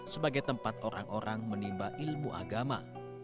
sebagai tempat orang orang menimba ilmu agama